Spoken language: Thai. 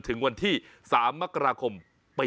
แก้ปัญหาผมร่วงล้านบาท